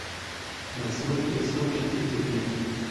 Nació y creció en Etiopía.